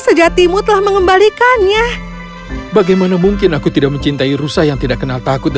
sejati mutlah mengembalikannya bagaimana mungkin aku tidak mencintai rusak yang tidak kenal takut